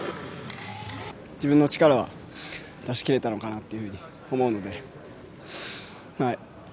自分の力は出し切れたのかなというふうに思うので。